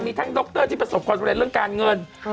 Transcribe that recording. มีทั้งดรที่ประสบความสำเร็จเรื่องการเงิน